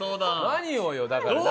何をよだから。